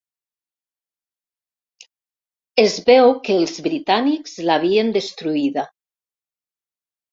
Es veu que els britànics l'havien destruïda.